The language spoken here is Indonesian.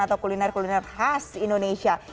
atau kuliner kuliner khas indonesia